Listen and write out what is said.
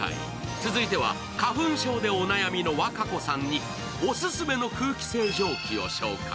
続いては花粉症でお悩みの和歌子さんにオススメの空気清浄機を紹介。